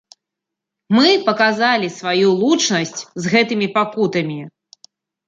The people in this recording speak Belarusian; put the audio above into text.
Мы паказалі сваю лучнасць з гэтымі пакутамі.